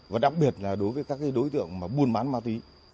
và đặc biệt là đối với các đối tượng mà buôn bán ma túy